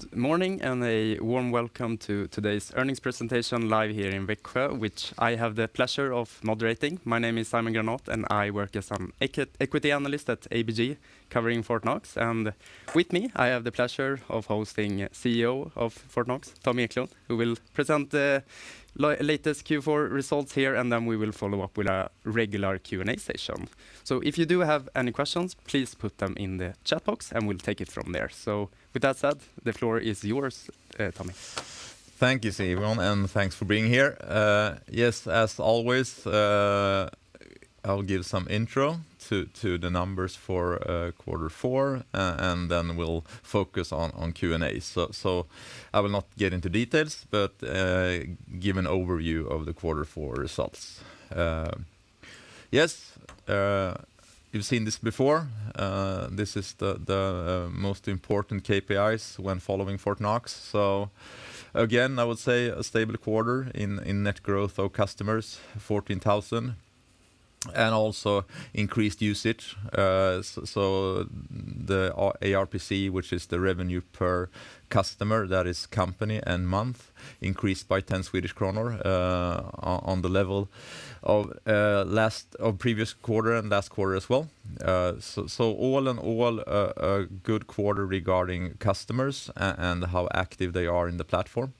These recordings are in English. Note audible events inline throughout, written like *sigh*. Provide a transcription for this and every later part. Good morning and a warm welcome to today's earnings presentation live here in Växjö, which I have the pleasure of moderating. My name is Simon Granath, and I work as an Equity Analyst at ABG, covering Fortnox. With me, I have the pleasure of hosting CEO of Fortnox, Tommy Eklund, who will present the latest Q4 results here, and then we will follow up with a regular Q&A session. If you do have any questions, please put them in the chat box, and we'll take it from there. With that said, the floor is yours, Tommy. Thank you, Simon, and thanks for being here. Yes, as always, I'll give some intro to the numbers for quarter four, and then we'll focus on Q&A. I will not get into details but, give an overview of the quarter four results. Yes, you've seen this before. This is the most important KPIs when following Fortnox. Again, I would say a stable quarter in net growth of customers, 14,000, and also increased usage. The ARPC, which is the revenue per customer, that is company and month, increased by 10 Swedish kronor, on the level of previous quarter and last quarter as well. All in all, a good quarter regarding customers and how active they are in the platform.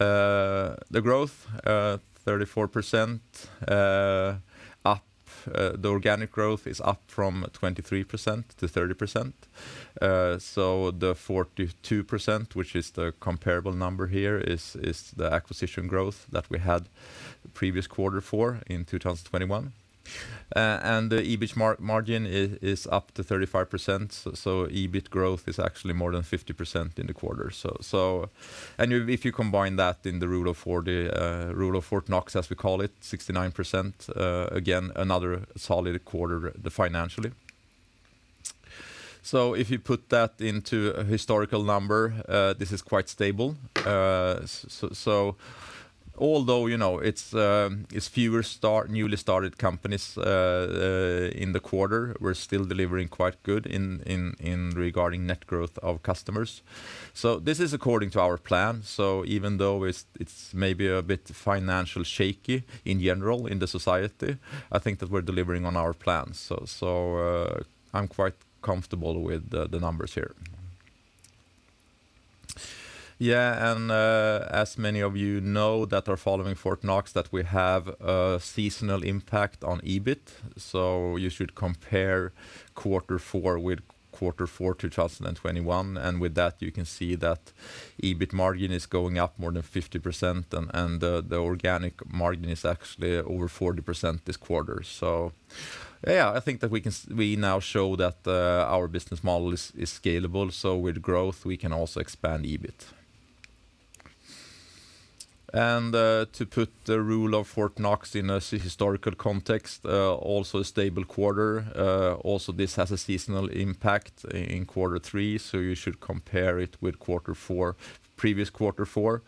The growth 34% up. The organic growth is up from 23%-30%. The 42%, which is the comparable number here, is the acquisition growth that we had previous Q4 in 2021. The EBIT margin is up to 35%, EBIT growth is actually more than 50% in the quarter. If you combine that in the Rule of 40, Rule of Fortnox, as we call it, 69%, again, another solid quarter financially. If you put that into a historical number, this is quite stable. Although, you know, it's fewer newly started companies in the quarter, we're still delivering quite good in regarding net growth of customers. This is according to our plan. Even though it's maybe a bit financially shaky in general in the society, I think that we're delivering on our plans. I'm quite comfortable with the numbers here. As many of you know that are following Fortnox, that we have a seasonal impact on EBIT, so you should compare quarter four with quarter four 2021. With that, you can see that EBIT margin is going up more than 50%, and the organic margin is actually over 40% this quarter. I think that we now show that our business model is scalable, so with growth, we can also expand EBIT. To put the Rule of Fortnox in a historical context, also a stable quarter. Also this has a seasonal impact in quarter three, you should compare it with quarter four, previous quarter four.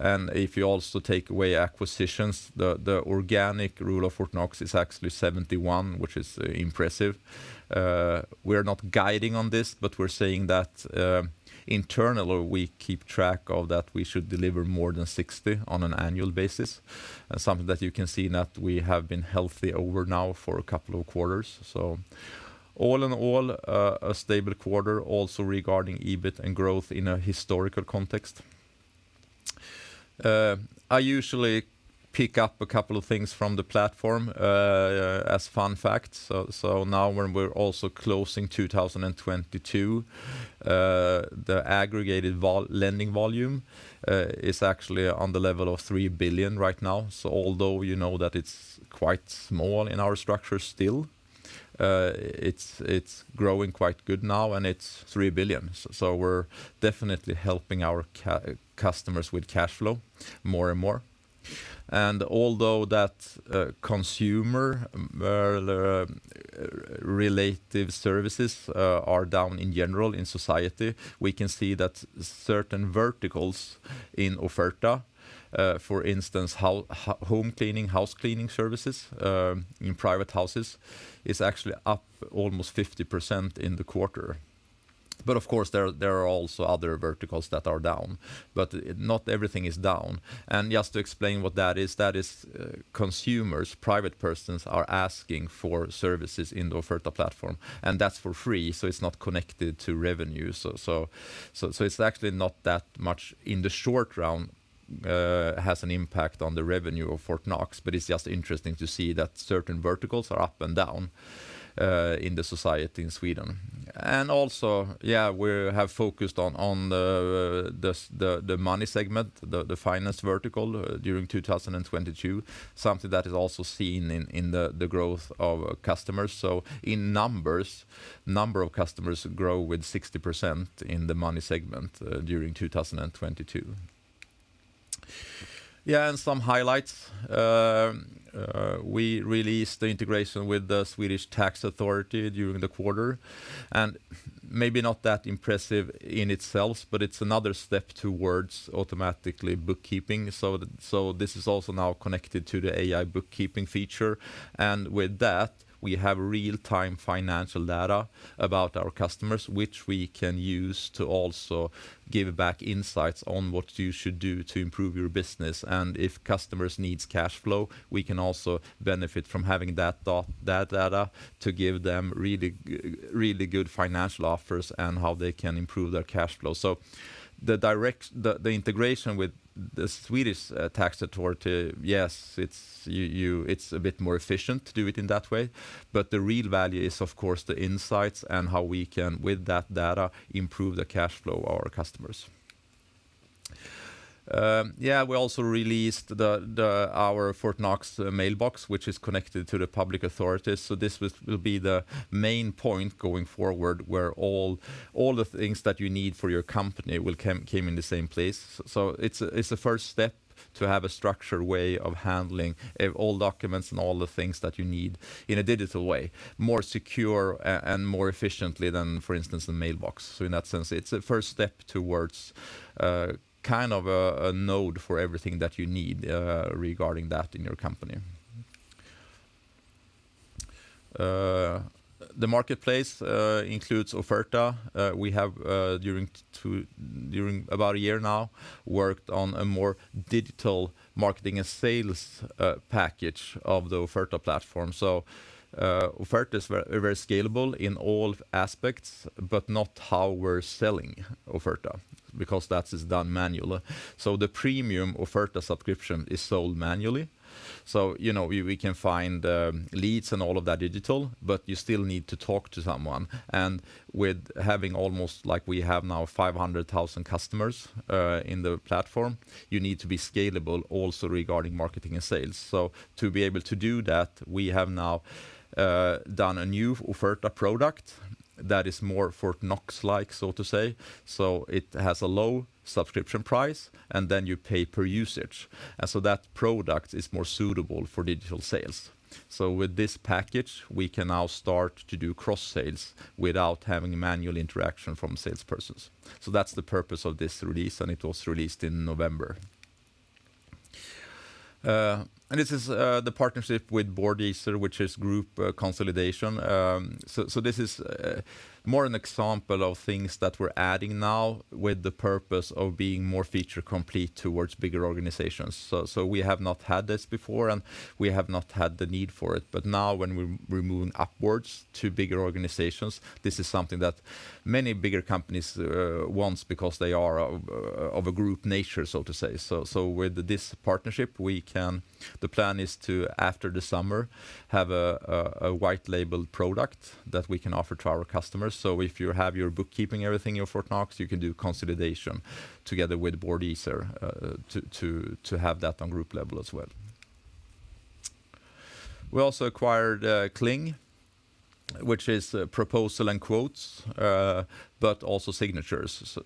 If you also take away acquisitions, the organic Rule of Fortnox is actually 71, which is impressive. We're not guiding on this, we're saying that internally we keep track of that we should deliver more than 60 on an annual basis, something that you can see that we have been healthy over now for a couple of quarters. All in all, a stable quarter also regarding EBIT and growth in a historical context. I usually pick up a couple of things from the platform as fun facts. Now when we're also closing 2022, the aggregated lending volume is actually on the level of 3 billion right now. Although you know that it's quite small in our structure still, it's growing quite good now, and it's 3 billion. We're definitely helping our customers with cash flow more and more. Although that, consumer related services are down in general in society, we can see that certain verticals in Offerta, for instance, home cleaning, house cleaning services, in private houses, is actually up almost 50% in the quarter. Of course, there are also other verticals that are down, but not everything is down. Just to explain what that is, that is, consumers, private persons are asking for services in the Offerta platform, and that's for free, so it's not connected to revenue. it's actually not that much in the short run, has an impact on the revenue of Fortnox, but it's just interesting to see that certain verticals are up and down in the society in Sweden. Also, yeah, we have focused on the money segment, the finance vertical during 2022, something that is also seen in the growth of customers. In numbers, number of customers grow with 60% in the money segment during 2022. Yeah, some highlights. we released the integration with the Swedish Tax Agency during the quarter, and maybe not that impressive in itself, but it's another step towards automatically bookkeeping. this is also now connected to the AI bookkeeping feature. With that, we have real-time financial data about our customers, which we can use to also give back insights on what you should do to improve your business. If customers needs cash flow, we can also benefit from having that data to give them really good financial offers and how they can improve their cash flow. The integration with the Swedish Tax Agency, yes, it's you, it's a bit more efficient to do it in that way, but the real value is, of course, the insights and how we can, with that data, improve the cash flow of our customers. Yeah, we also released our Fortnox Mailbox, which is connected to the public authorities. This will be the main point going forward, where all the things that you need for your company came in the same place. It's a, it's a first step to have a structured way of handling all documents and all the things that you need in a digital way, more secure and more efficiently than, for instance, the mailbox. In that sense, it's a first step towards kind of a node for everything that you need regarding that in your company. The marketplace includes Offerta. We have during about a year now, worked on a more digital marketing and sales package of the Offerta platform. Offerta is very scalable in all aspects, but not how we're selling Offerta because that is done manually. The premium Offerta subscription is sold manually. You know, we can find leads and all of that digital, but you still need to talk to someone. With having almost like we have now 500,000 customers in the platform, you need to be scalable also regarding marketing and sales. To be able to do that, we have now done a new Offerta product that is more Fortnox-like, so to say. It has a low subscription price, and then you pay per usage. That product is more suitable for digital sales. With this package, we can now start to do cross sales without having manual interaction from salespersons. That's the purpose of this release, and it was released in November. This is the partnership with Boardeaser, which is group consolidation. This is more an example of things that we're adding now with the purpose of being more feature complete towards bigger organizations. We have not had this before, and we have not had the need for it. Now when we're moving upwards to bigger organizations, this is something that many bigger companies wants because they are of a group nature, so to say. With this partnership, the plan is to, after the summer, have a white labeled product that we can offer to our customers. If you have your bookkeeping, everything in Fortnox, you can do consolidation together with Boardeaser to have that on group level as well. We also acquired Cling, which is proposal and quotes, but also signatures.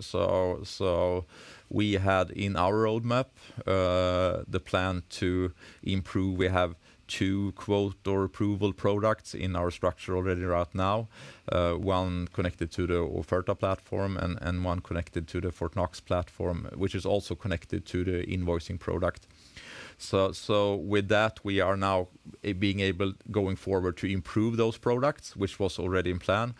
We had in our roadmap, the plan to improve. We have two quote or approval products in our structure already right now, one connected to the Offerta platform and one connected to the Fortnox platform, which is also connected to the invoicing product. With that, we are now being able, going forward, to improve those products, which was already in plan.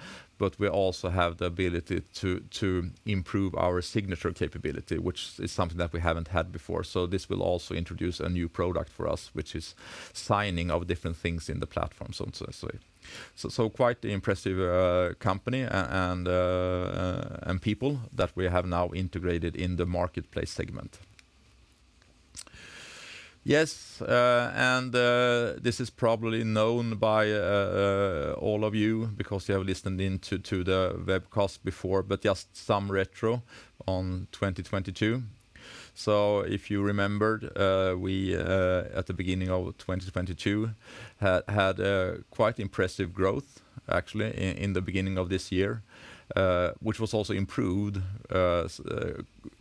We also have the ability to improve our signature capability, which is something that we haven't had before. This will also introduce a new product for us, which is signing of different things in the platform, so to say. Quite impressive, company and people that we have now integrated in the marketplace segment. Yes, this is probably known by all of you because you have listened in to the webcast before, but just some retro on 2022. If you remembered, we at the beginning of 2022 had quite impressive growth actually in the beginning of this year, which was also improved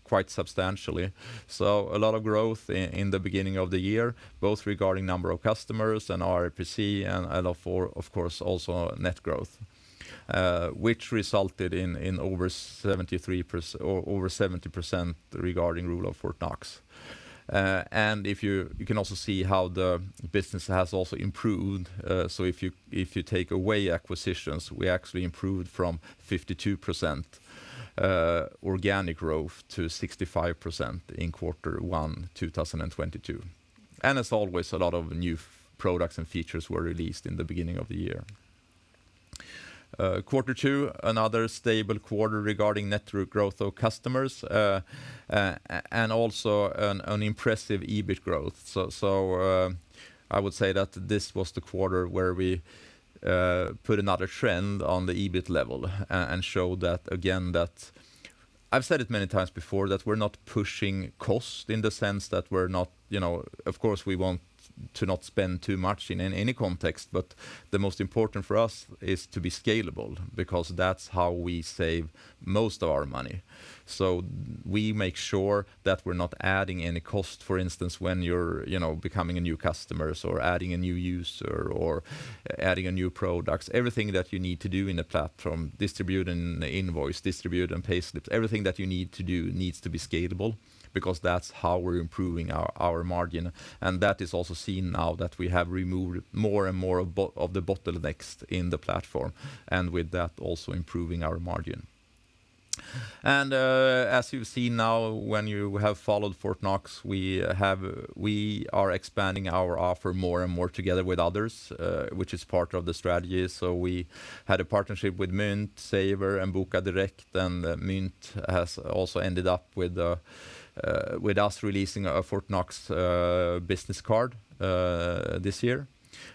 quite substantially. A lot of growth in the beginning of the year, both regarding number of customers and ARPC and L4, of course also net growth, which resulted in over 70% regarding Rule of Fortnox. If you can also see how the business has also improved. If you, if you take away acquisitions, we actually improved from 52% organic growth to 65% in Q1 2022. As always, a lot of new products and features were released in the beginning of the year. quarter two, another stable quarter regarding net growth of customers, and also an impressive EBIT growth. I would say that this was the quarter where we put another trend on the EBIT level and show that again, that... I've said it many times before, that we're not pushing cost in the sense that we're not, you know, of course we want to not spend too much in any context, but the most important for us is to be scalable because that's how we save most of our money. We make sure that we're not adding any cost, for instance, when you're, you know, becoming a new customer or adding a new user or adding a new product. Everything that you need to do in a platform, distribute an invoice, distribute and pay slips, everything that you need to do needs to be scalable because that's how we're improving our margin. That is also seen now that we have removed more and more of the bottlenecks in the platform, and with that, also improving our margin. As you've seen now when you have followed Fortnox, we are expanding our offer more and more together with others, which is part of the strategy. We had a partnership with Mynt, Saver, and Bokadirekt, and Mynt has also ended up with us releasing a Fortnox Business Card this year.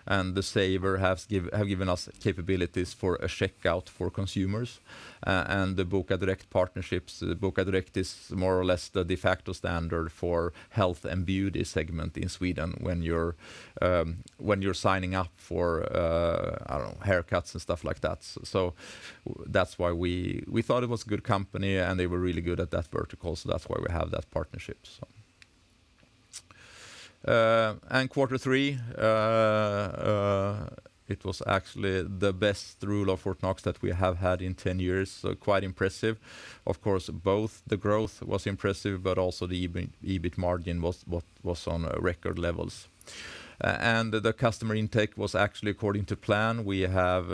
The Saver have given us capabilities for a checkout for consumers. The Bokadirekt partnerships, Bokadirekt is more or less the de facto standard for health and beauty segment in Sweden when you're when you're signing up for I don't know, haircuts and stuff like that. That's why we thought it was good company, and they were really good at that vertical, that's why we have that partnership. Quarter three, it was actually the best Rule of Fortnox that we have had in 10 years, so quite impressive. Of course, both the growth was impressive, but also the EBIT margin was on record levels. The customer intake was actually according to plan. We have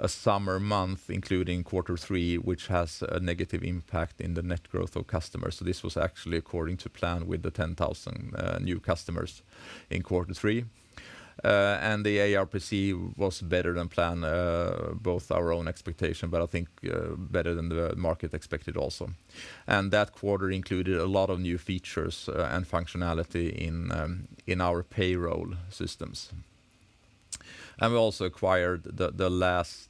a summer month including quarter three, which has a negative impact in the net growth of customers. This was actually according to plan with the 10,000 new customers in Q3. The ARPC was better than plan, both our own expectation, but I think better than the market expected also. That quarter included a lot of new features and functionality in our payroll systems. We also acquired the last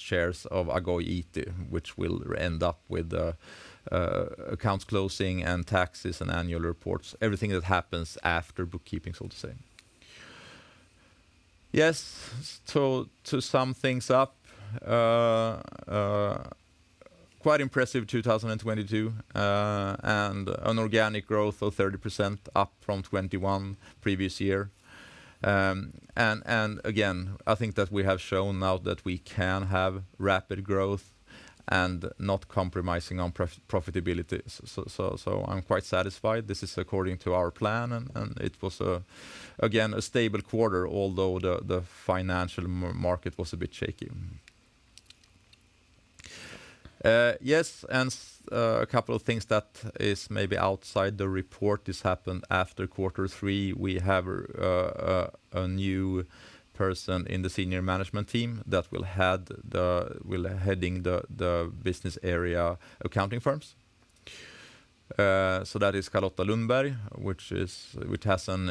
shares of agoy IT, which will end up with the accounts closing and taxes and annual reports, everything that happens after bookkeeping, so to say. Yes. To sum things up, quite impressive 2022, and an organic growth of 30% up from 21 previous year. Again, I think that we have shown now that we can have rapid growth and not compromising on profitability. I'm quite satisfied. This is according to our plan and it was again a stable quarter, although the financial market was a bit shaky. Yes, a couple of things that is maybe outside the report. This happened after Q3. We have a new person in the senior management team that will heading the business area accounting firms. That is Charlotta Lundberg, which has an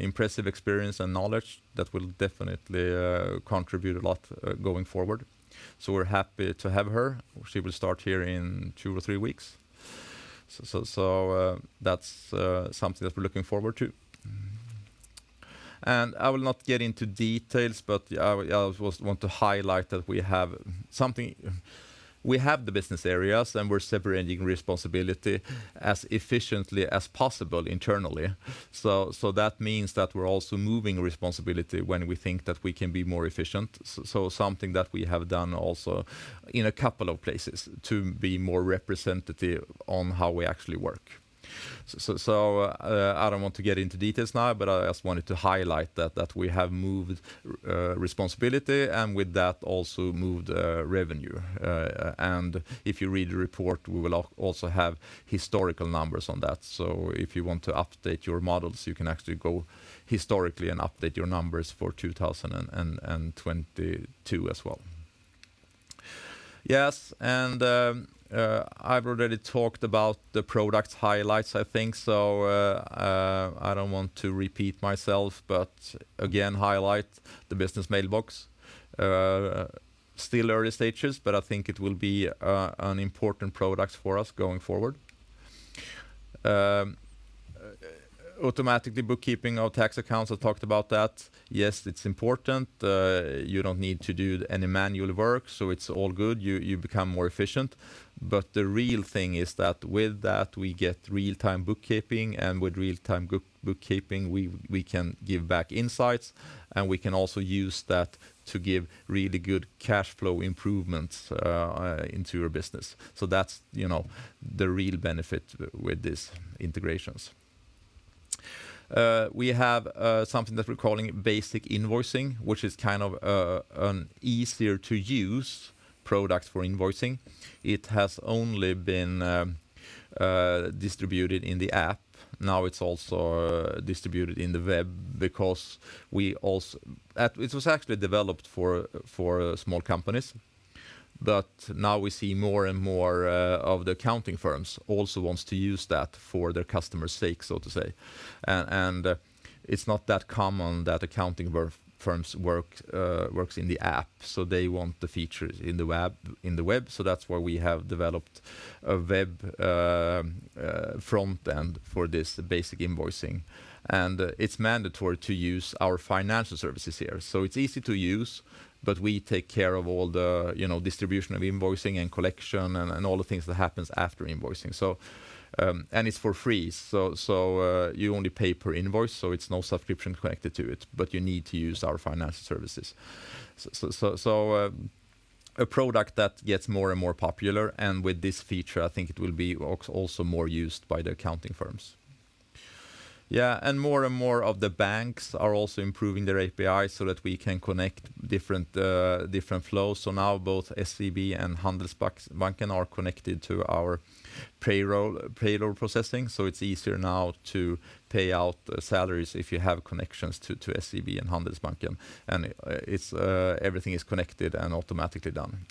impressive experience and knowledge that will definitely contribute a lot going forward. We're happy to have her. She will start here in two or three weeks. That's something that we're looking forward to. I will not get into details, but yeah, I also want to highlight that we have something... We have the business areas, we're separating responsibility as efficiently as possible internally. That means that we're also moving responsibility when we think that we can be more efficient, so something that we have done also in a couple of places to be more representative on how we actually work. I don't want to get into details now, but I just wanted to highlight that we have moved responsibility and with that also moved revenue. If you read the report, we will also have historical numbers on that. If you want to update your models, you can actually go historically and update your numbers for 2022 as well. Yes. I've already talked about the product highlights, I think. I don't want to repeat myself, but again, highlight the Business Mailbox. Still early stages, but I think it will be an important product for us going forward. Automatically bookkeeping our tax accounts. I talked about that. Yes, it's important. You don't need to do any manual work, it's all good. You become more efficient. The real thing is that with that, we get real-time bookkeeping, and with real-time bookkeeping, we can give back insights, and we can also use that to give really good cash flow improvements into your business. That's, you know, the real benefit with this integrations. We have something that we're calling Basic Invoicing, which is kind of an easier to use product for invoicing. It has only been distributed in the app. Now it's also distributed in the web because it was actually developed for small companies. Now we see more and more of the accounting firms also wants to use that for their customers' sake, so to say. It's not that common that accounting firms works in the app, so they want the features in the web. That's why we have developed a web front end for this, the Basic Invoicing. It's mandatory to use our financial services here. It's easy to use, but we take care of all the, you know, distribution of invoicing and collection and all the things that happens after invoicing. It's for free. You only pay per invoice, so it's no subscription connected to it, but you need to use our financial services. A product that gets more and more popular, and with this feature, I think it will be also more used by the accounting firms. More and more of the banks are also improving their API so that we can connect different flows. Now both SEB and Handelsbanken are connected to our payroll processing, so it's easier now to pay out salaries if you have connections to SEB and Handelsbanken. Everything is connected and automatically done.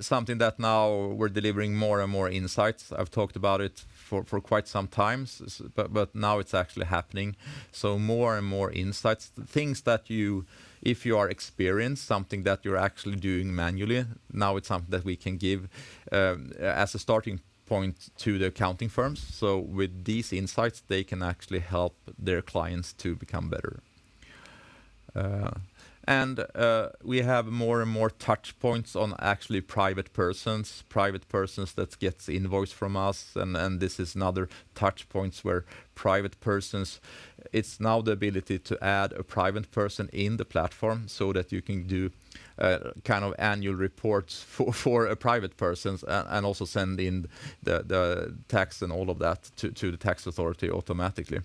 Something that now we're delivering more and more insights. I've talked about it for quite some times, but now it's actually happening. More and more insights. Things that you, if you are experienced, something that you're actually doing manually, now it's something that we can give as a starting point to the accounting firms. With these insights, they can actually help their clients to become better. And we have more and more touch points on actually private persons that gets invoice from us, and this is another touch point where private persons. It's now the ability to add a private person in the platform so that you can do kind of annual reports for a private persons and also send in the tax and all of that to the tax authority automatically.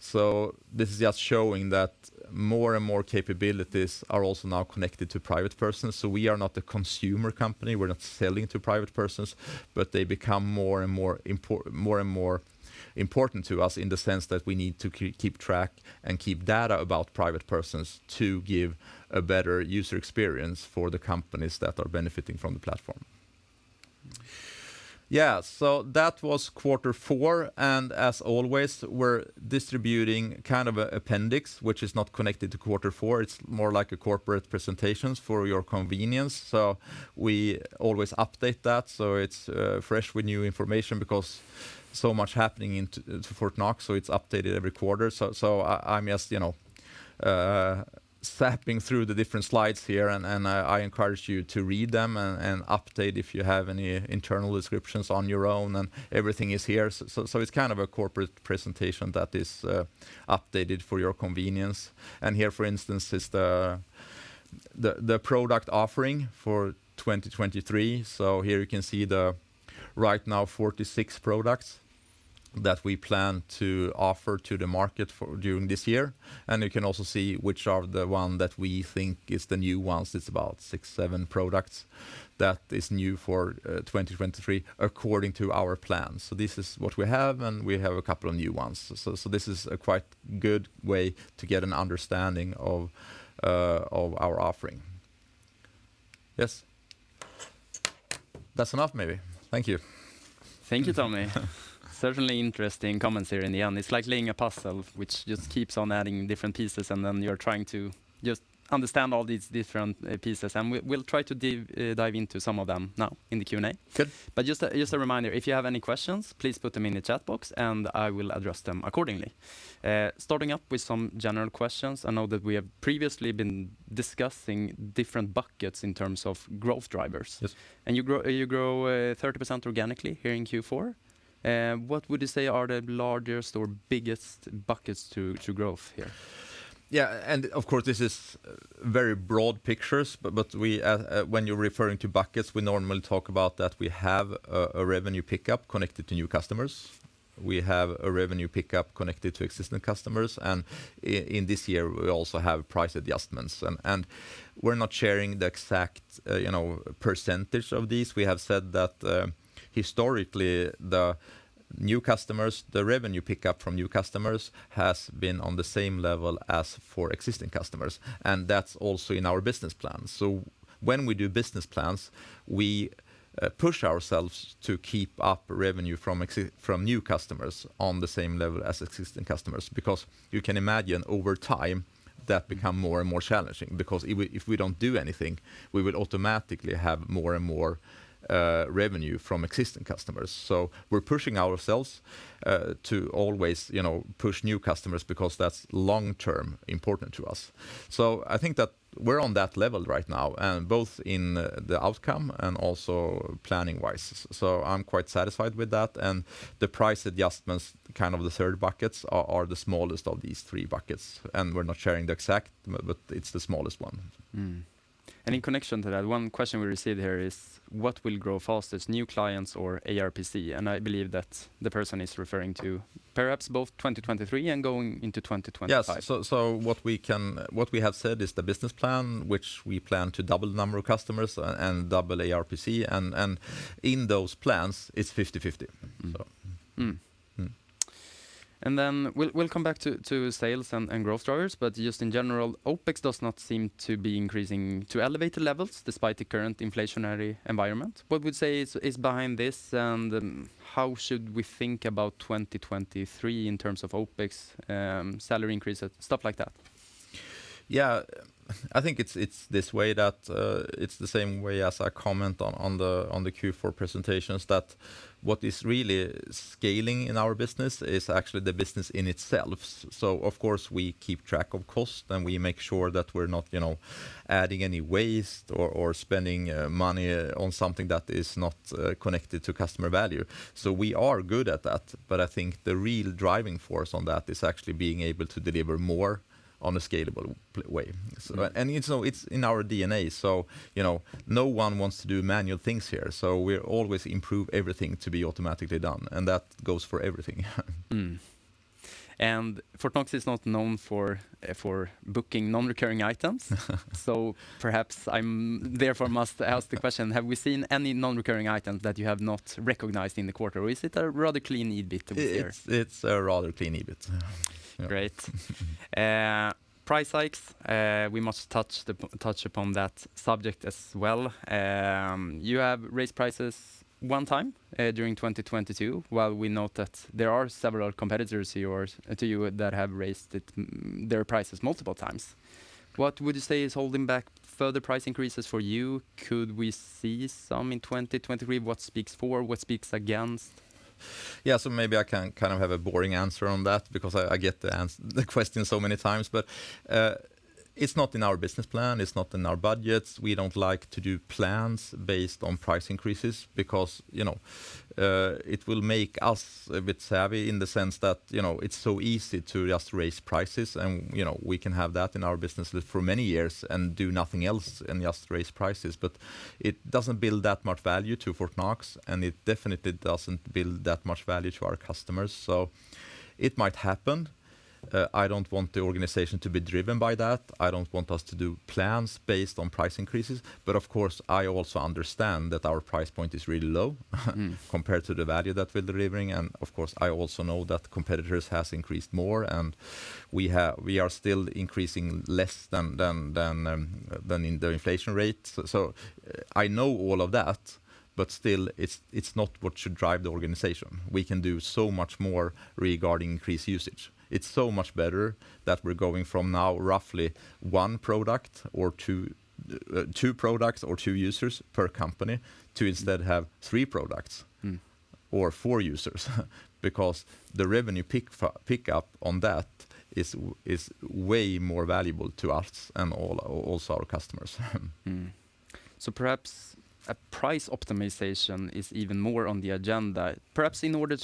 This is just showing that more and more capabilities are also now connected to private persons. We are not a consumer company. We're not selling to private persons. They become more and more important to us in the sense that we need to keep track and keep data about private persons to give a better user experience for the companies that are benefiting from the platform. That was quarter four, and as always, we're distributing kind of a appendix which is not connected to quarter four. It's more like a corporate presentations for your convenience. We always update that, so it's fresh with new information because so much happening in Fortnox, so it's updated every quarter. I'm just, you know, zapping through the different slides here and I encourage you to read them and update if you have any internal descriptions on your own, and everything is here. so it's kind of a corporate presentation that is updated for your convenience. Here, for instance, is the product offering for 2023. Here you can see the right now 46 products that we plan to offer to the market for during this year. You can also see which are the one that we think is the new ones. It's about six, seven products that is new for 2023 according to our plans. This is what we have, and we have a couple of new ones. So this is a quite good way to get an understanding of our offering. Yes. That's enough maybe. Thank you. Thank you, Tommy. Certainly interesting comments here in the end. It's like laying a puzzle which just keeps on adding different pieces, and then you're trying to just understand all these different pieces. We'll try to dive into some of them now in the Q&A. Good. Just a reminder, if you have any questions, please put them in the chat box, and I will address them accordingly. Starting up with some general questions, I know that we have previously been discussing different buckets in terms of growth drivers. Yes. You grow, 30% organically here in Q4. What would you say are the largest or biggest buckets to growth here? Yeah, of course, this is very broad pictures, but when you're referring to buckets, we normally talk about that we have a revenue pickup connected to new customers. We have a revenue pickup connected to existing customers. In this year, we also have price adjustments. We're not sharing the exact, you know, percentage of these. We have said that historically, the new customers, the revenue pickup from new customers has been on the same level as for existing customers, and that's also in our business plan. When we do business plans, we push ourselves to keep up revenue from new customers on the same level as existing customers. You can imagine over time, that become more and more challenging because if we don't do anything, we will automatically have more and more revenue from existing customers. We're pushing ourselves to always, you know, push new customers because that's long-term important to us. I think that we're on that level right now, and both in the outcome and also planning-wise. I'm quite satisfied with that. The price adjustments, kind of the third buckets, are the smallest of these three buckets. We're not sharing the exact, but it's the smallest one. In connection to that, one question we received here is, what will grow fastest, new clients or ARPC? I believe that the person is referring to perhaps both 2023 and going into 2025. Yes. So what we have said is the business plan, which we plan to double the number of customers and double ARPC and in those plans, it's 50/50. Mm-hmm. Mm. Then we'll come back to sales and growth drivers, but just in general, OpEx does not seem to be increasing to elevated levels despite the current inflationary environment. What would say is behind this, and how should we think about 2023 in terms of OpEx, salary increase, stuff like that? Yeah. I think it's this way that, it's the same way as I comment on the Q4 presentations that what is really scaling in our business is actually the business in itself. Of course, we keep track of cost, and we make sure that we're not, you know, adding any waste or spending money on something that is not connected to customer value. We are good at that, but I think the real driving force on that is actually being able to deliver more on a scalable way. It's in our DNA, you know, no one wants to do manual things here. We always improve everything to be automatically done, and that goes for everything. Fortnox is not known for booking non-recurring items. Perhaps I'm therefore must ask the question, have we seen any non-recurring items that you have not recognized in the quarter, or is it a rather clean EBIT over here? It's, it's a rather clean EBIT. Great. Price hikes, we must touch upon that subject as well. You have raised prices 1x during 2022, while we note that there are several competitors to you that have raised their prices multiple times. What would you say is holding back further price increases for you? Could we see some in 2023? What speaks for, what speaks against? Maybe I can kind of have a boring answer on that because I get the question so many times. It's not in our business plan. It's not in our budgets. We don't like to do plans based on price increases because, you know, it will make us a bit savvy in the sense that, you know, it's so easy to just raise prices, and, you know, we can have that in our business for many years and do nothing else and just raise prices. It doesn't build that much value to Fortnox, and it definitely doesn't build that much value to our customers. It might happen. I don't want the organization to be driven by that. I don't want us to do plans based on price increases. Of course, I also understand that our price point is really low. Mm... compared to the value that we're delivering. Of course, I also know that competitors has increased more, we are still increasing less than in the inflation rate. I know all of that, but still, it's not what should drive the organization. We can do so much more regarding increased usage. It's so much better that we're going from now roughly one product or two products or two users per company to instead have three products- Mm... or four users because the revenue pick up on that is way more valuable to us and all, also our customers. Perhaps a price optimization is even more on the agenda, perhaps in order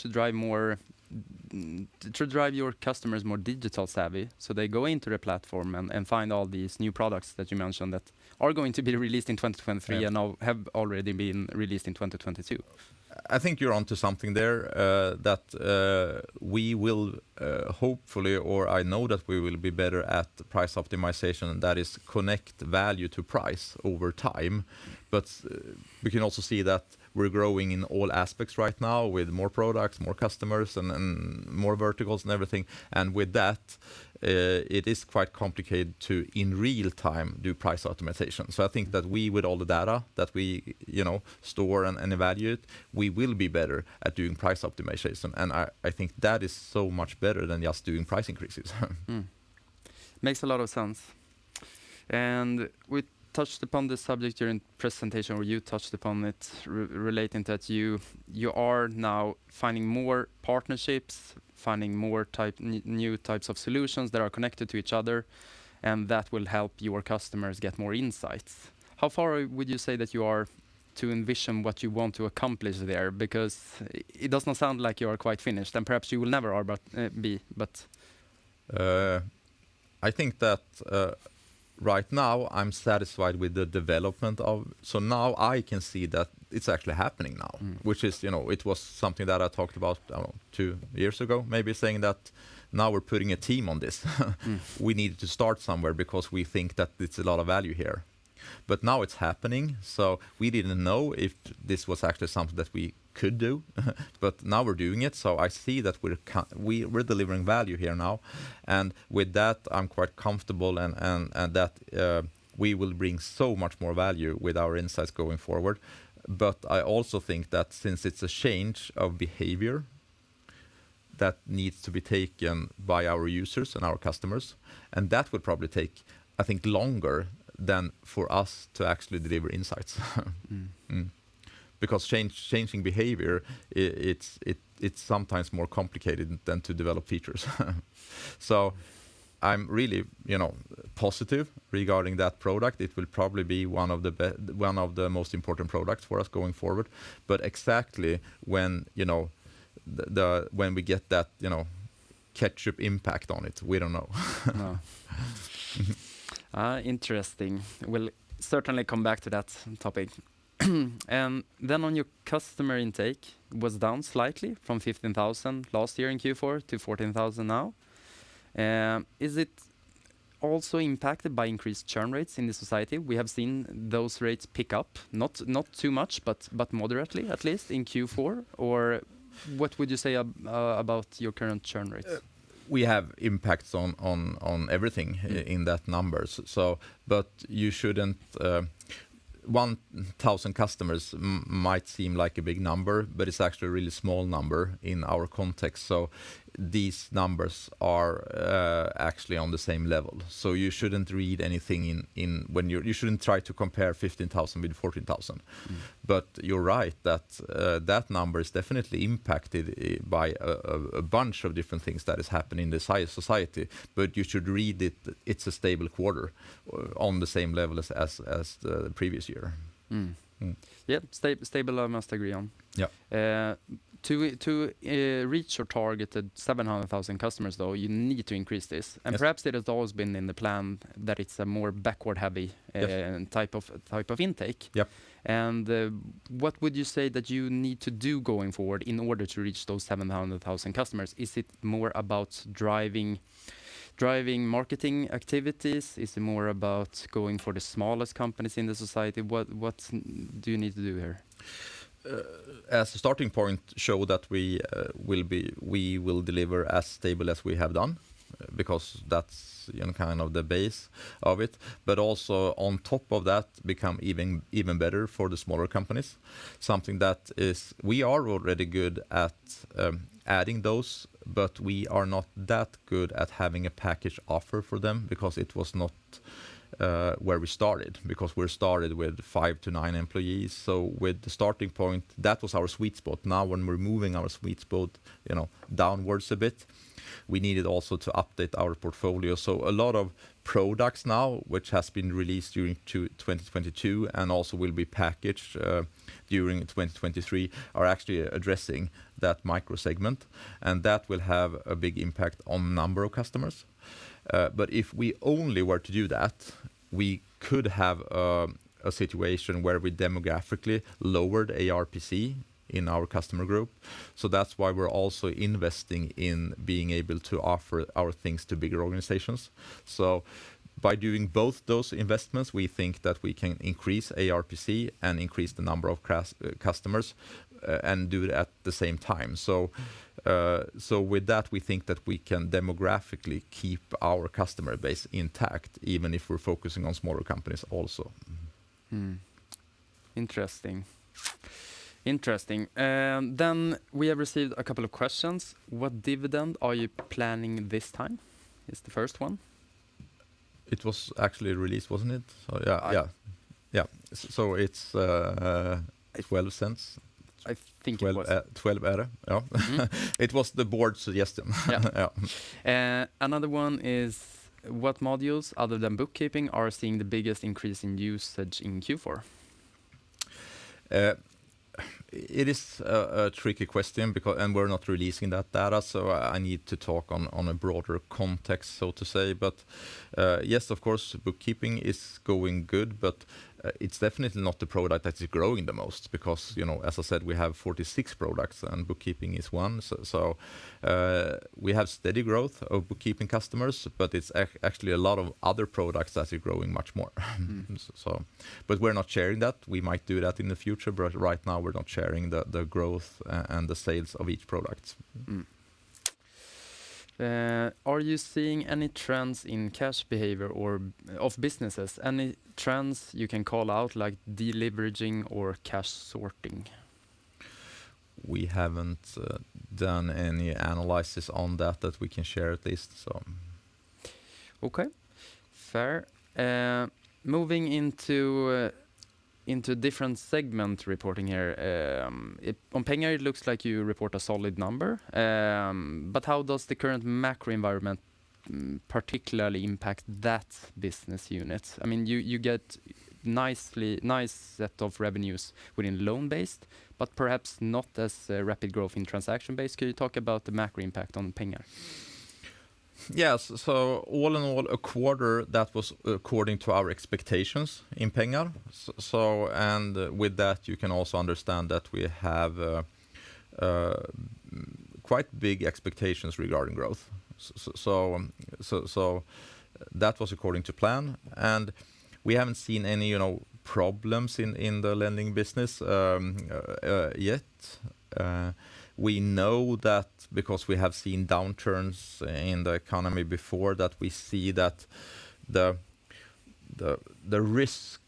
to drive your customers more Digital Savvy, so they go into the platform and find all these new products that you mentioned that are going to be released in 2023. Yeah... now have already been released in 2022. I think you're onto something there, that we will, hopefully, or I know that we will be better at the price optimization, and that is connect value to price over time. We can also see that we're growing in all aspects right now with more products, more customers, and more verticals and everything. With that, it is quite complicated to, in real time, do price optimization. I think that we, with all the data that we, you know, store and evaluate, we will be better at doing price optimization. I think that is so much better than just doing price increases. Makes a lot of sense. We touched upon this subject during presentation, or you touched upon it relating that you are now finding more partnerships, finding more new types of solutions that are connected to each other, and that will help your customers get more insights. How far would you say that you are to envision what you want to accomplish there? It doesn't sound like you are quite finished, and perhaps you will never are, but be. I think that, right now I'm satisfied with the development of... Now I can see that it's actually happening now... Mm... which is, you know, It was something that I talked about, I don't know, two years ago, maybe saying that now we're putting a team on this. Mm. We needed to start somewhere because we think that it's a lot of value here. Now it's happening. We didn't know if this was actually something that we could do. Now we're doing it. I see that we're delivering value here now. With that, I'm quite comfortable and that we will bring so much more value with our insights going forward. I also think that since it's a change of behavior that needs to be taken by our users and our customers, that will probably take, I think, longer than for us to actually deliver insights. Mm. Change, changing behavior, it's sometimes more complicated than to develop features. I'm really, you know, positive regarding that product. It will probably be one of the most important products for us going forward. Exactly when, you know, when we get that, you know, ketchup impact on it, we don't know. Interesting. We'll certainly come back to that topic. Then on your customer intake was down slightly from 15,000 last year in Q4 to 14,000 now. Is it also impacted by increased churn rates in the society? We have seen those rates pick up, not too much, but moderately, at least in Q4. What would you say about your current churn rates? We have impacts on everything in that numbers. But you shouldn't, 1,000 customers might seem like a big number, but it's actually a really small number in our context. These numbers are actually on the same level. You shouldn't read anything in. You shouldn't try to compare 15,000 with 14,000. Mm. You're right that number is definitely impacted, by a bunch of different things that is happening in society. You should read it's a stable quarter on the same level as the previous year. Mm. Mm. Yeah. Stable I must agree on. Yeah. to reach your target at 700,000 customers, though, you need to increase this. Yes. Perhaps it has always been in the plan that it's a more backward heavy- Yes ...type of intake. Yeah. What would you say that you need to do going forward in order to reach those 700,000 customers? Is it more about driving marketing activities? Is it more about going for the smallest companies in the society? What do you need to do here? As a starting point, show that we will deliver as stable as we have done because that's, you know, kind of the base of it. Also on top of that, become even better for the smaller companies. We are already good at adding those, but we are not that good at having a package offer for them because it was not where we started, because we started with 5 to 9 employees. With the starting point, that was our sweet spot. Now when we're moving our sweet spot, you know, downwards a bit, we needed also to update our portfolio. A lot of products now, which has been released during 2022 and also will be packaged during 2023, are actually addressing that micro segment, and that will have a big impact on number of customers. But if we only were to do that, we could have a situation where we demographically lowered ARPC in our customer group. That's why we're also investing in being able to offer our things to bigger organizations. By doing both those investments, we think that we can increase ARPC and increase the number of customers and do it at the same time. With that, we think that we can demographically keep our customer base intact, even if we're focusing on smaller companies also. Interesting. Interesting. We have received a couple of questions. "What dividend are you planning this time?" is the first one. It was actually released, wasn't it? Yeah. Yeah. Yeah. so it's 0.12. I think it was. 12 euro. Yeah. Mm-hmm. It was the board's suggestion. Yeah. Yeah. Another one is, "What modules other than bookkeeping are seeing the biggest increase in usage in Q4? It is a tricky question and we're not releasing that data, so I need to talk on a broader context, so to say. Yes, of course, bookkeeping is going good, but it's definitely not the product that is growing the most because, you know, as I said, we have 46 products, and bookkeeping is one. We have steady growth of bookkeeping customers, but it's actually a lot of other products that is growing much more. Mm-hmm. We're not sharing that. We might do that in the future, but right now we're not sharing the growth and the sales of each product. Are you seeing any trends in cash behavior or of businesses? Any trends you can call out, like deleveraging or cash sorting? We haven't, done any analysis on that we can share at least, so. Okay. Fair. Moving into different segment reporting here. On Pengar it looks like you report a solid number, but how does the current macro environment particularly impact that business unit? I mean, you get nice set of revenues within loan-based, but perhaps not as rapid growth in transaction-based. Can you talk about the macro impact on Pengar? All in all, a quarter that was according to our expectations in Pengar. With that, you can also understand that we have quite big expectations regarding growth. So that was according to plan. We haven't seen any, you know, problems in the lending business yet. We know that because we have seen downturns in the economy before, that we see that the risk,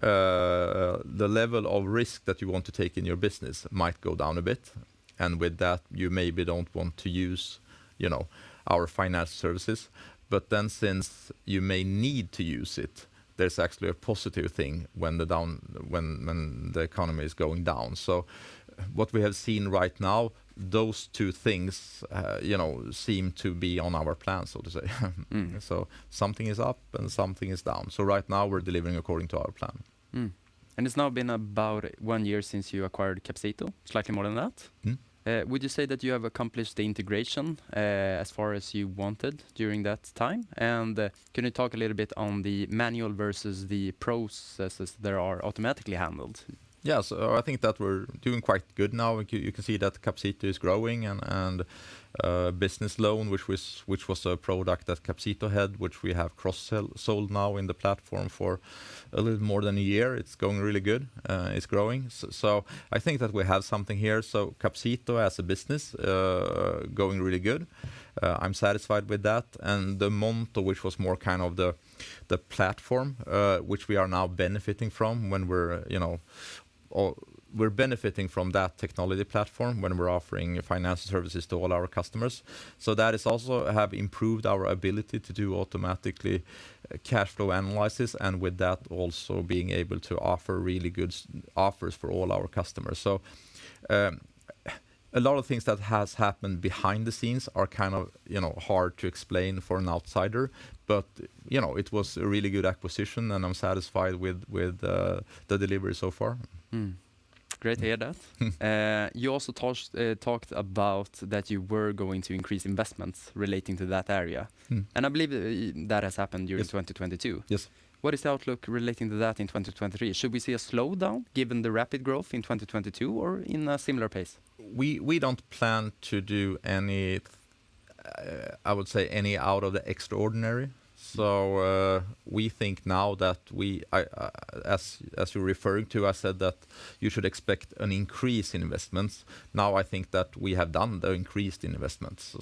the level of risk that you want to take in your business might go down a bit. With that, you maybe don't want to use, you know, our financial services. Since you may need to use it, there's actually a positive thing when the economy is going down. What we have seen right now, those two things, you know, seem to be on our plan, so to say. Mm. Something is up and something is down. Right now we're delivering according to our plan. It's now been about one year since you acquired Capcito, slightly more than that. Mm. Would you say that you have accomplished the integration as far as you wanted during that time? Can you talk a little bit on the manual versus the processes that are automatically handled? Yes. I think that we're doing quite good now. You can see that Capcito is growing and business loan, which was a product that Capcito had, which we have cross-sold now in the platform for a little more than a year. It's going really good. It's growing. I think that we have something here. Capcito as a business, going really good. I'm satisfied with that. The, *audio distortion* which was more kind of the platform, which we are now benefiting from when we're, you know... Or we're benefiting from that technology platform when we're offering financial services to all our customers. That is also have improved our ability to do automatically cash flow analysis, and with that, also being able to offer really good offers for all our customers. A lot of things that has happened behind the scenes are kind of, you know, hard to explain for an outsider, but, you know, it was a really good acquisition, and I'm satisfied with the delivery so far. Great to hear that. You also talked about that you were going to increase investments relating to that area. Mm. I believe that has happened during 2022. Yes. What is the outlook relating to that in 2023? Should we see a slowdown given the rapid growth in 2022 or in a similar pace? We don't plan to do any, I would say any out of the extraordinary. We think now that we, as you're referring to, I said that you should expect an increase in investments. I think that we have done the increased investments.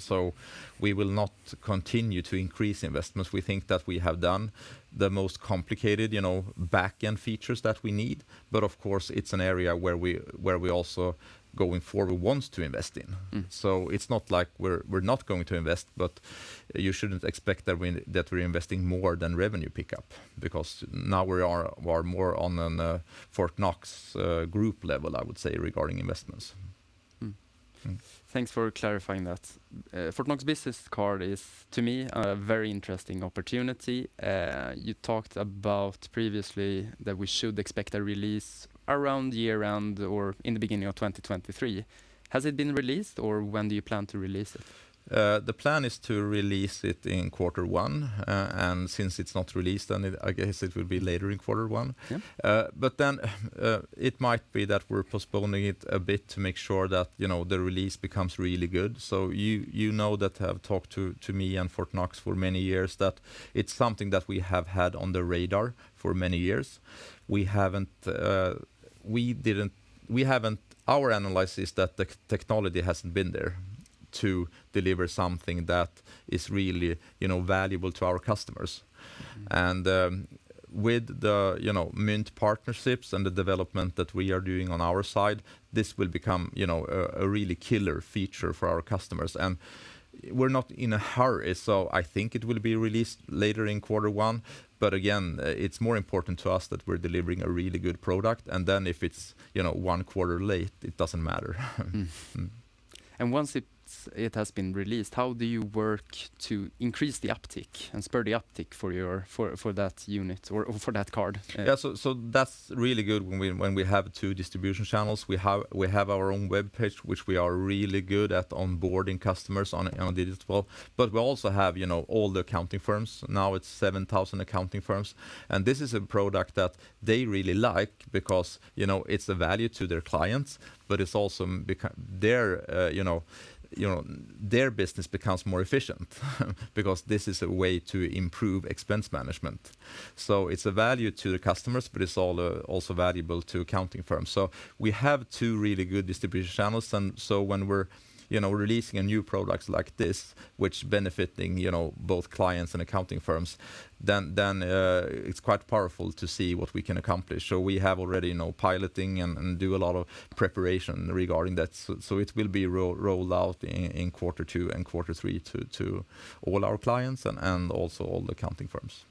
We will not continue to increase investments. We think that we have done the most complicated, you know, back-end features that we need. Of course, it's an area where we also going forward wants to invest in. Mm. It's not like we're not going to invest, but you shouldn't expect that we're investing more than revenue pickup because now we are more on an Fortnox group level, I would say, regarding investments. Mm. Mm. Thanks for clarifying that. Fortnox Business Card is, to me, a very interesting opportunity. You talked about previously that we should expect a release around year-round or in the beginning of 2023. Has it been released, or when do you plan to release it? The plan is to release it in quarter one. Since it's not released, then I guess it will be later in quarter one. Yeah. It might be that we're postponing it a bit to make sure that, you know, the release becomes really good. You, you know that have talked to me and Fortnox for many years, that it's something that we have had on the radar for many years. We haven't our analysis that the technology hasn't been there to deliver something that is really, you know, valuable to our customers. With the, you know, Mynt partnerships and the development that we are doing on our side, this will become, you know, a really killer feature for our customers. We're not in a hurry, so I think it will be released later in quarter one. again, it's more important to us that we're delivering a really good product, and then if it's, you know, one quarter late, it doesn't matter. Once it has been released, how do you work to increase the uptick and spur the uptick for that unit or for that card? Yeah. That's really good when we have two distribution channels. We have our own webpage, which we are really good at onboarding customers on digital. We also have, you know, all the accounting firms. Now it's 7,000 accounting firms, and this is a product that they really like because, you know, it's a value to their clients, but it's also become their, you know, their business becomes more efficient because this is a way to improve expense management. It's a value to the customers, but it's also valuable to accounting firms. We have two really good distribution channels, when we're, you know, releasing a new product like this, which benefiting, you know, both clients and accounting firms, then it's quite powerful to see what we can accomplish. We have already, you know, piloting and do a lot of preparation regarding that. It will be rolled out in quarter two and quarter three to all our clients and also all the accounting firms.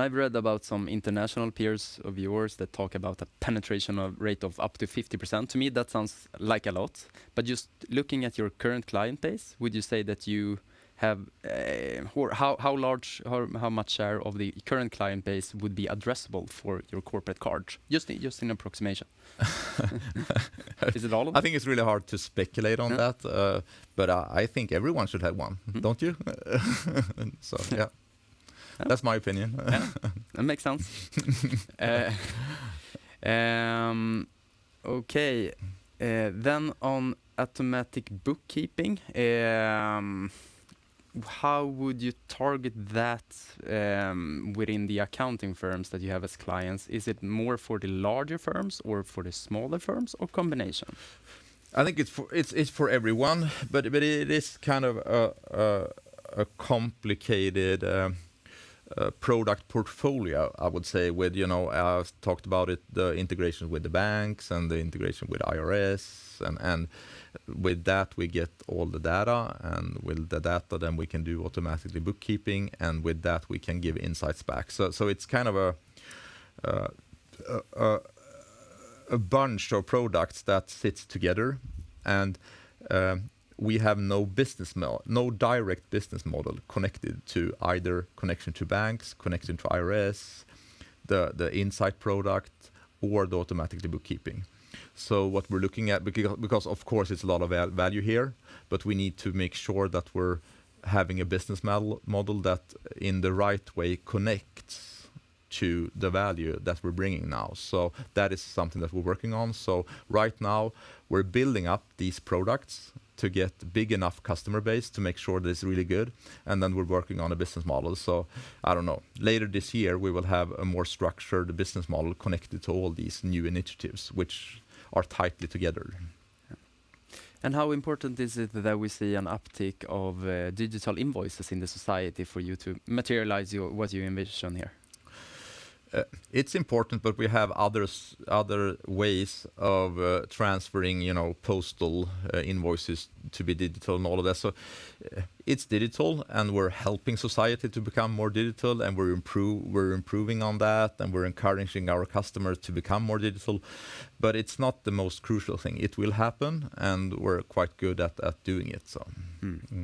I've read about some international peers of yours that talk about a penetration of rate of up to 50%. To me, that sounds like a lot. Just looking at your current client base, would you say that you have, or how large or how much share of the current client base would be addressable for your corporate card? Just an approximation. Is it all of it? I think it's really hard to speculate on that. Yeah. I think everyone should have one. Mm-hmm. Don't you? Yeah. Yeah. That's my opinion. Yeah. That makes sense. Okay. On automatic bookkeeping, how would you target that within the accounting firms that you have as clients? Is it more for the larger firms or for the smaller firms, or combination? I think it's for, it's for everyone, but it is kind of a complicated product portfolio, I would say, with, you know, I've talked about it, the integration with the banks and the integration with Skatteverket and with that, we get all the data, and with the data then we can do automatically bookkeeping, and with that we can give insights back. It's kind of a bunch of products that sits together and we have no direct business model connected to either connection to banks, connection to Skatteverket, the insight product or the automatically bookkeeping. What we're looking at, because of course there's a lot of value here, but we need to make sure that we're having a business model that in the right way connects to the value that we're bringing now. That is something that we're working on. Right now we're building up these products to get big enough customer base to make sure that it's really good, and then we're working on a business model. I don't know. Later this year we will have a more structured business model connected to all these new initiatives which are tightly together. Yeah. How important is it that we see an uptick of digital invoices in the society for you to materialize your, what you envision here? It's important, but we have others, other ways of transferring, you know, postal invoices to be digital and all of that. It's digital, and we're helping society to become more digital, and we're improving on that, and we're encouraging our customers to become more digital, but it's not the most crucial thing. It will happen, and we're quite good at doing it, so. Mm-hmm.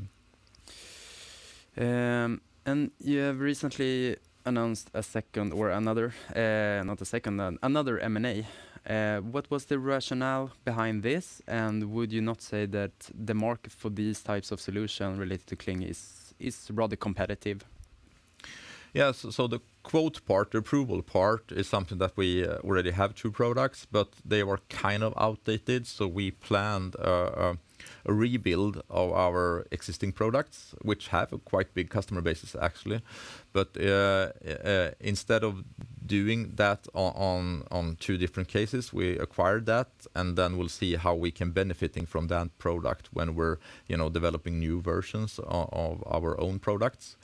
You have recently announced a second or another, not a second, another M&A. What was the rationale behind this? Would you not say that the market for these types of solution related to Cling is rather competitive? The quote part, the approval part is something that we already have two products, but they were kind of outdated, so we planned a rebuild of our existing products, which have a quite big customer basis actually. Instead of doing that on two different cases, we acquired that, and then we'll see how we can benefiting from that product when we're, you know, developing new versions of our own products.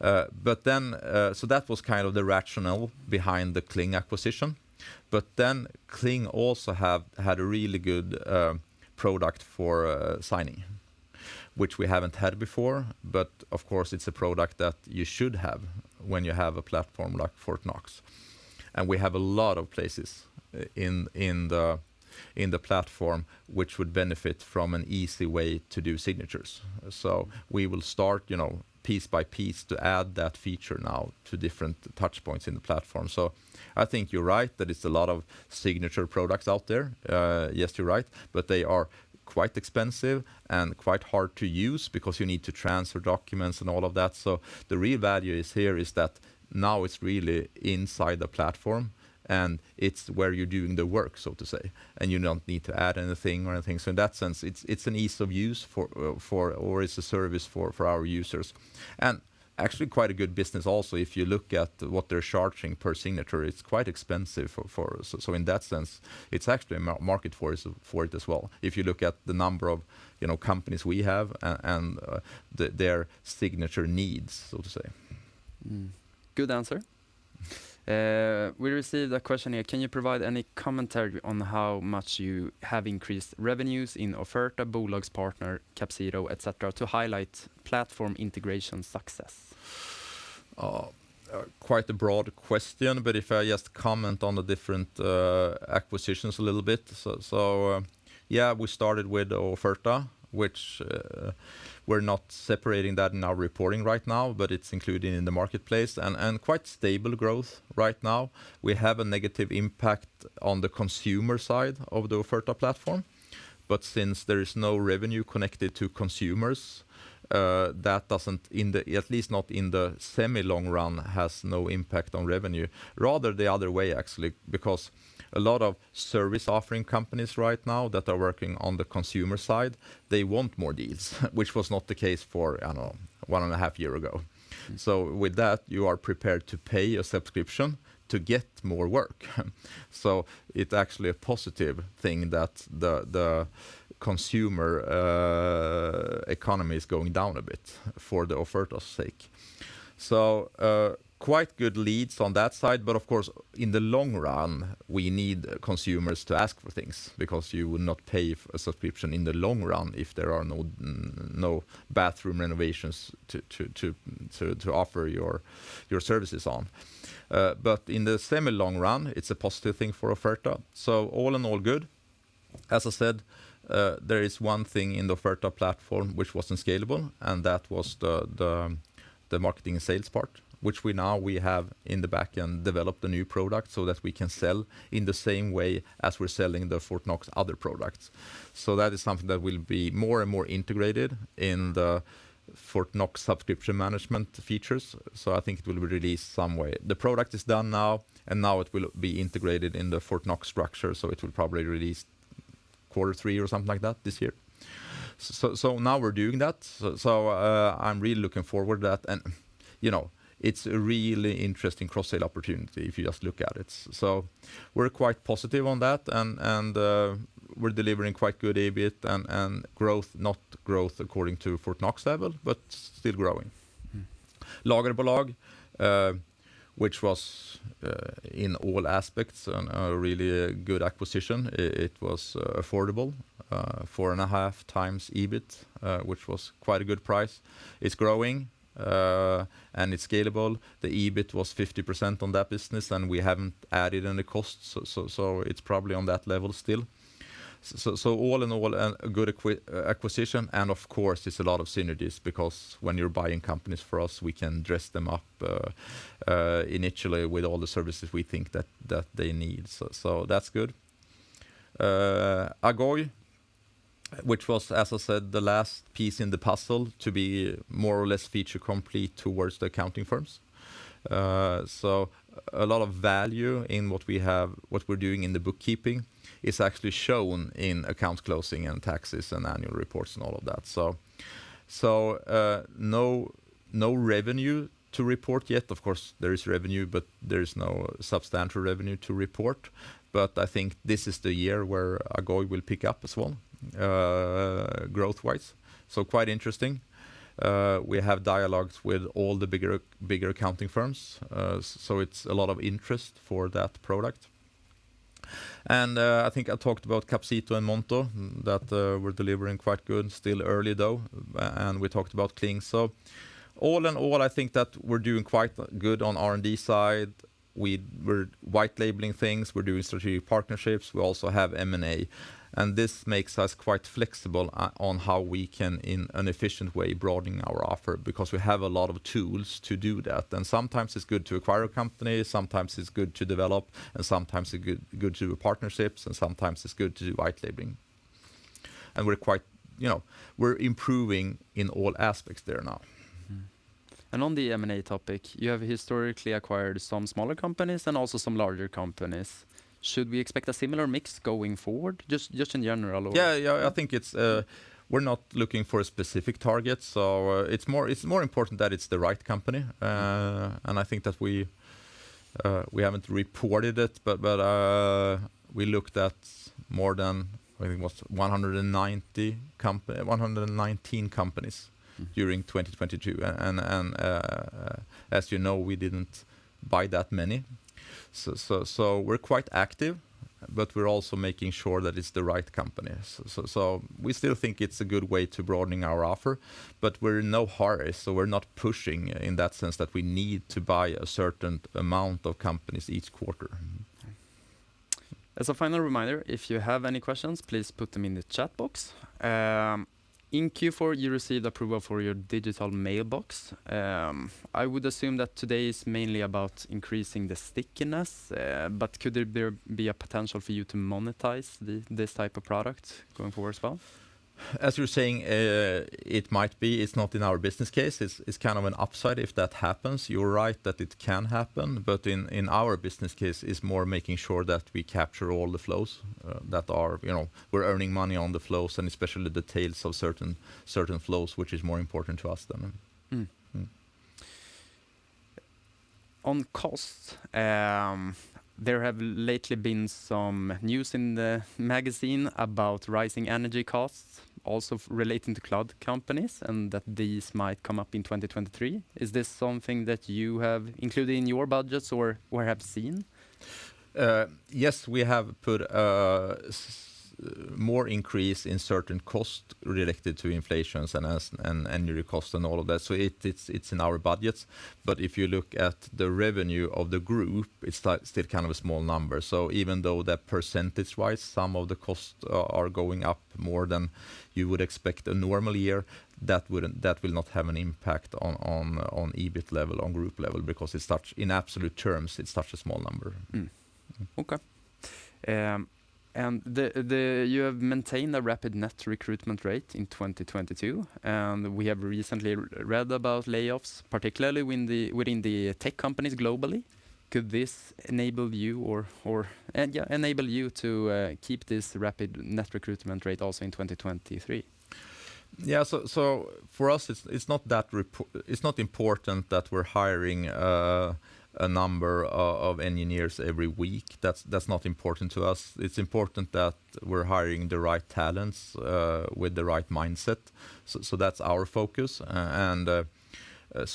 That was kind of the rationale behind the Cling acquisition. Cling also had a really good product for signing, which we haven't had before, but of course, it's a product that you should have when you have a platform like Fortnox. We have a lot of places in the platform, which would benefit from an easy way to do signatures. We will start, you know, piece by piece to add that feature now to different touchpoints in the platform. I think you're right that it's a lot of signature products out there. Yes, you're right. They are quite expensive and quite hard to use because you need to transfer documents and all of that. The real value is here is that now it's really inside the platform, and it's where you're doing the work, so to say, and you don't need to add anything or anything. In that sense, it's an ease of use for or it's a service for our users. Actually quite a good business also, if you look at what they're charging per signature, it's quite expensive for. In that sense, it's actually a market for it as well. If you look at the number of, you know, companies we have and their signature needs, so to say. Good answer. We received a question here. Can you provide any commentary on how much you have increased revenues in Offerta, Bolagspartner, Capcito, et cetera, to highlight platform integration success? Quite a broad question, but if I just comment on the different acquisitions a little bit. We started with Offerta, which we're not separating that in our reporting right now, but it's included in the marketplace and quite stable growth right now. We have a negative impact on the consumer side of the Offerta platform, but since there is no revenue connected to consumers, that doesn't at least not in the semi-long run, has no impact on revenue. Rather the other way, actually, because a lot of service offering companies right now that are working on the consumer side, they want more deals, which was not the case for, I don't know, one and a half year ago. With that, you are prepared to pay a subscription to get more work. It's actually a positive thing that the consumer economy is going down a bit for the Offerta's sake. Quite good leads on that side. Of course, in the long run, we need consumers to ask for things because you will not pay a subscription in the long run if there are no bathroom renovations to offer your services on. In the semi-long run, it's a positive thing for Offerta. All in all, good. As I said, there is one thing in the Offerta platform which wasn't scalable, and that was the marketing and sales part, which we now have in the back and developed a new product so that we can sell in the same way as we're selling the Fortnox other products. That is something that will be more and more integrated in the Fortnox subscription management features. I think it will be released some way. The product is done now, and now it will be integrated in the Fortnox structure, so it will probably release quarter three or something like that this year. Now we're doing that. I'm really looking forward to that. You know, it's a really interesting cross-sale opportunity if you just look at it. We're quite positive on that, we're delivering quite good EBIT and growth, not growth according to Fortnox level, but still growing. Lagerbolag, which was in all aspects a really good acquisition. It was affordable, 4.5x EBIT, which was quite a good price. It's growing, and it's scalable. The EBIT was 50% on that business. We haven't added any costs. It's probably on that level still. All in all, a good acquisition. Of course, it's a lot of synergies because when you're buying companies for us, we can dress them up initially with all the services we think they need. That's good. Agoy, which was, as I said, the last piece in the puzzle to be more or less feature complete towards the accounting firms. A lot of value in what we have, what we're doing in the bookkeeping is actually shown in account closing and taxes and annual reports and all of that. No revenue to report yet. Of course, there is revenue, but there is no substantial revenue to report. I think this is the year where agoy will pick up as well, growth-wise. Quite interesting. We have dialogues with all the bigger accounting firms, it's a lot of interest for that product. I think I talked about Capcito and Montep that we're delivering quite good still early, though, and we talked about Cling. All in all, I think that we're doing quite good on R&D side. We're white labeling things, we're doing strategic partnerships, we also have M&A, this makes us quite flexible on how we can, in an efficient way, broaden our offer because we have a lot of tools to do that. Sometimes it's good to acquire a company, sometimes it's good to develop, and sometimes it's good to do partnerships, and sometimes it's good to do white labeling. We're quite, you know, we're improving in all aspects there now. On the M&A topic, you have historically acquired some smaller companies and also some larger companies. Should we expect a similar mix going forward? Just in general or- Yeah. Yeah. I think it's. We're not looking for a specific target, so it's more, it's more important that it's the right company. I think that we haven't reported it, but we looked at more than, I think it was 119 companies. Mm... during 2022. As you know, we didn't buy that many. We're quite active, but we're also making sure that it's the right company. We still think it's a good way to broadening our offer, but we're in no hurry, so we're not pushing in that sense that we need to buy a certain amount of companies each quarter. As a final reminder, if you have any questions, please put them in the chat box. In Q4, you received approval for your digital mailbox. I would assume that today is mainly about increasing the stickiness, but could it be a potential for you to monetize this type of product going forward as well? As you're saying, it might be. It's not in our business case. It's kind of an upside if that happens. You're right that it can happen, but in our business case, it's more making sure that we capture all the flows that are. You know, we're earning money on the flows and especially the tails of certain flows, which is more important to us than. Mm. Mm. On cost, there have lately been some news in the magazine about rising energy costs also relating to cloud companies, and that these might come up in 2023. Is this something that you have included in your budgets or have seen? Yes, we have put more increase in certain cost related to inflation and your cost and all of that. It's in our budgets, but if you look at the revenue of the group, it's still kind of a small number. Even though that percentage-wise, some of the costs are going up more than you would expect a normal year, that will not have an impact on EBIT level, on group level because in absolute terms, it's such a small number. Okay. The... You have maintained a rapid net recruitment rate in 2022. We have recently read about layoffs, particularly within the tech companies globally. Could this enable you or... Yeah, enable you to keep this rapid net recruitment rate also in 2023? Yeah. For us, it's not important that we're hiring a number of engineers every week. That's not important to us. It's important that we're hiring the right talents with the right mindset. So that's our focus.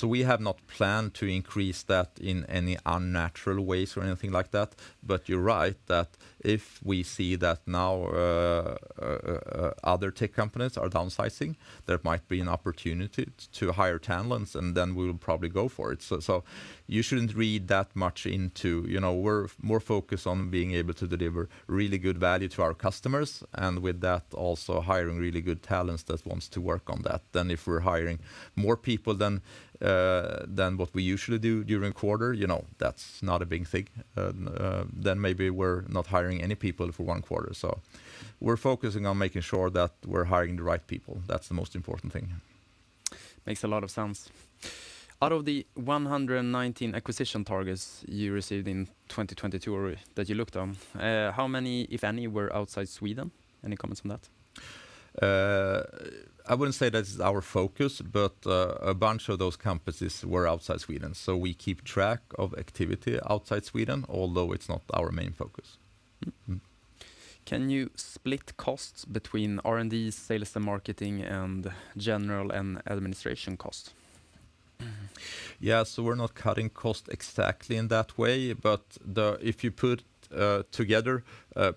We have not planned to increase that in any unnatural ways or anything like that. You're right that if we see that now, other tech companies are downsizing, there might be an opportunity to hire talents, and then we'll probably go for it. You shouldn't read that much into it. You know, we're more focused on being able to deliver really good value to our customers, and with that, also hiring really good talents that wants to work on that, than if we're hiring more people than what we usually do during quarter. You know, that's not a big thing. Maybe we're not hiring any people for one quarter. We're focusing on making sure that we're hiring the right people. That's the most important thing. Makes a lot of sense. Out of the 119 acquisition targets you received in 2022 or that you looked on, how many, if any, were outside Sweden? Any comments on that? I wouldn't say that's our focus, but a bunch of those companies were outside Sweden. We keep track of activity outside Sweden, although it's not our main focus. Can you split costs between R&D, sales and marketing, and general and administration costs? Yeah. We're not cutting costs exactly in that way. If you put together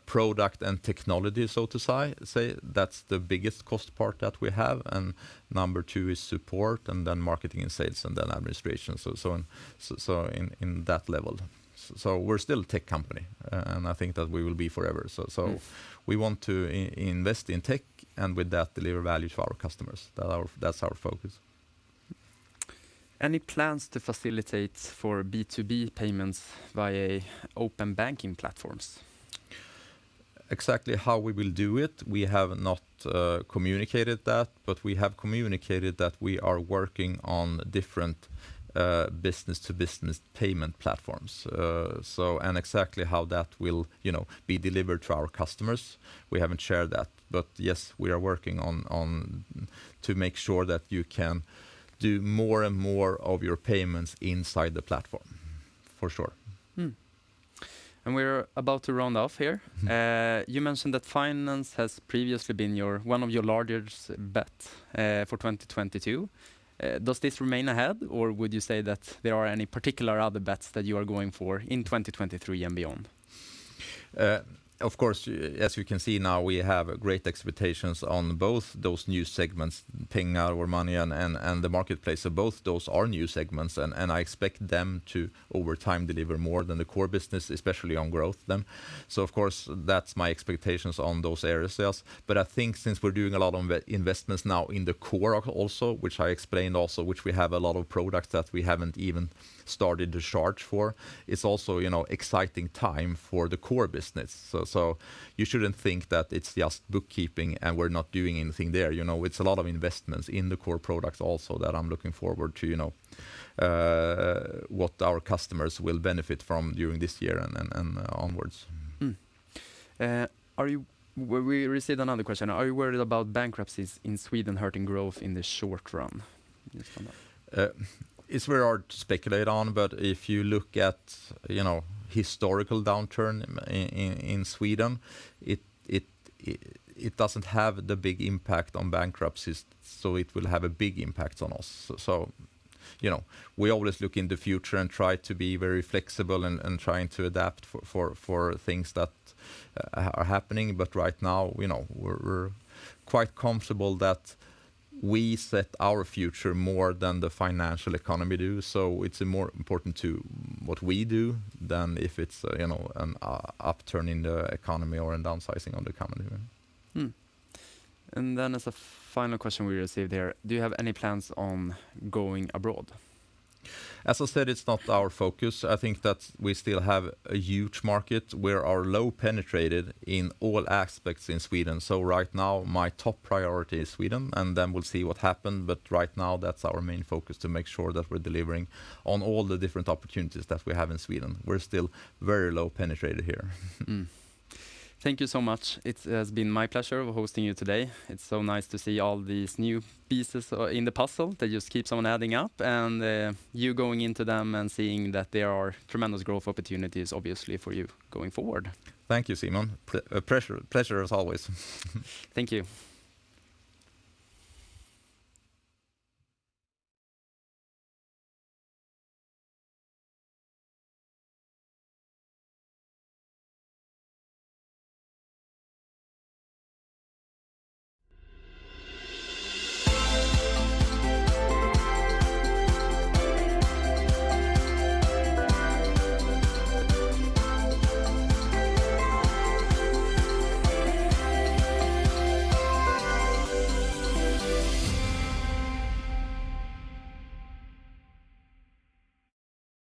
product and technology, so to say, that's the biggest cost part that we have, number two is support, marketing and sales, and administration. In that level. We're still a tech company. I think that we will be forever. We want to invest in tech with that deliver value to our customers. That's our focus. Any plans to facilitate for B2B payments via open banking platforms? Exactly how we will do it, we have not communicated that, but we have communicated that we are working on different business-to-business payment platforms. Exactly how that will, you know, be delivered to our customers, we haven't shared that. Yes, we are working on to make sure that you can do more and more of your payments inside the platform, for sure. We're about to round off here. Mm-hmm. You mentioned that finance has previously been your, one of your largest bets for 2022. Does this remain ahead, or would you say that there are any particular other bets that you are going for in 2023 and beyond? Of course, as you can see now, we have great expectations on both those new segments, Pengar or Money and the Marketplace. Both those are new segments, and I expect them to, over time, deliver more than the core business, especially on growth then. Of course, that's my expectations on those area sales. I think since we're doing a lot of in-investments now in the core also, which I explained also, which we have a lot of products that we haven't even started to charge for, it's also, you know, exciting time for the core business. You shouldn't think that it's just bookkeeping and we're not doing anything there. You know, it's a lot of investments in the core products also that I'm looking forward to, you know, what our customers will benefit from during this year and then, and onwards. We received another question. Are you worried about bankruptcies in Sweden hurting growth in the short run? It's very hard to speculate on. If you look at, you know, historical downturn in Sweden, it doesn't have the big impact on bankruptcies. It will have a big impact on us. You know, we always look in the future and try to be very flexible and trying to adapt for things that are happening. Right now, you know, we're quite comfortable that we set our future more than the financial economy do. It's more important to what we do than if it's, you know, an upturn in the economy or in downsizing on the economy. As a final question we received here, do you have any plans on going abroad? As I said, it's not our focus. I think that we still have a huge market. We are low penetrated in all aspects in Sweden. Right now, my top priority is Sweden, and then we'll see what happen. Right now, that's our main focus, to make sure that we're delivering on all the different opportunities that we have in Sweden. We're still very low penetrated here. Thank you so much. It has been my pleasure hosting you today. It's so nice to see all these new pieces in the puzzle that just keep on adding up, and you going into them and seeing that there are tremendous growth opportunities, obviously, for you going forward. Thank you, Simon. A pleasure as always. Thank you.